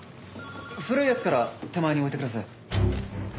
古いやつから手前に置いてください。